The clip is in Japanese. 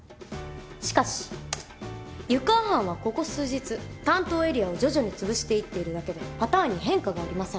しかし湯川班はここ数日担当エリアを徐々に潰していっているだけでパターンに変化がありません。